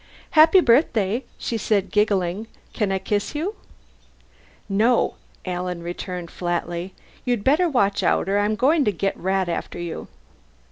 "Happy birthday," she said, giggling. "Can I kiss you?" "No," returned Alan flatly. "You better watch out or I'm going to get Rat after you."